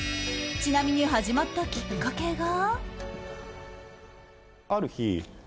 ちなみに始まったきっかけが。